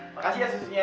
makasih ya susunya